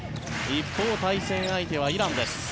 一方、対戦相手はイランです。